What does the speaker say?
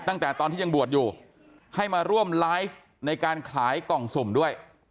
ตั้งแต่ตอนที่ยังบวชอยู่ให้มาร่วมไลฟ์ในการขายกล่องสุ่มด้วย